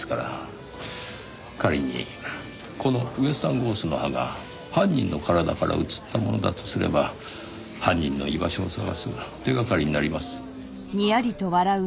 仮にこのウェスタンゴースの葉が犯人の体から移ったものだとすれば犯人の居場所を捜す手掛かりになります。